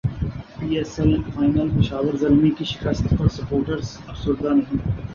پی S L final Peshawar Zalmi کی شکست پر سپورٹرز افسردہ نہیں